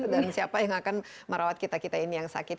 dan siapa yang akan merawat kita kita ini yang sakit